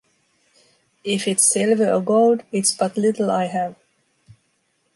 If it's silver or gold, it's but little I have.